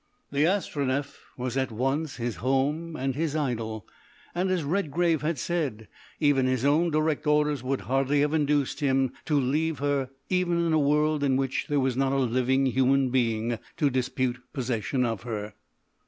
The Astronef was at once his home and his idol, and, as Redgrave had said, even his own direct orders would hardly have induced him to leave her even in a world in which there was not a living human being to dispute possession of her.